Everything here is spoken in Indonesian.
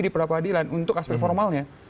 di peradilan untuk aspek formalnya